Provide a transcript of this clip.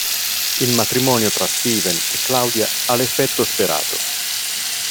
Il matrimonio tra Steven e Claudia ha l'effetto sperato.